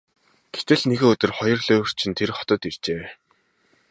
Гэтэл нэгэн өдөр хоёр луйварчин тэр хотод иржээ.